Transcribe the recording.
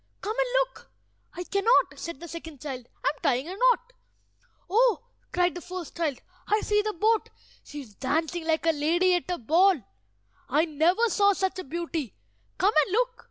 Come and look!" "I cannot," said the second child. "I am tying a knot." "Oh!" cried the first child, "I see the boat. She is dancing like a lady at a ball; I never saw such a beauty. Come and look!"